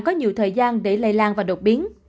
có nhiều thời gian để lây lan và đột biến